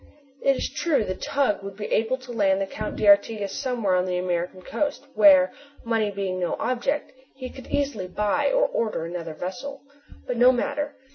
It is true the tug would be able to land the Count d'Artigas somewhere on the American coast where, money being no object, he could easily buy or order another vessel. But no matter.